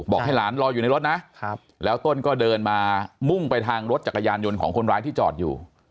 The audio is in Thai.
ให้หลานรออยู่ในรถนะแล้วต้นก็เดินมามุ่งไปทางรถจักรยานยนต์ของคนร้ายที่จอดอยู่